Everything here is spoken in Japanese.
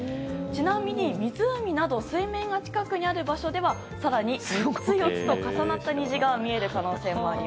ちなみに湖など水面が近くにある場所では更に３つ、４つと重なった虹が見える可能性も。